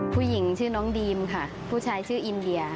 ผู้หญิงชื่อน้องดีมค่ะผู้ชายชื่ออินเดีย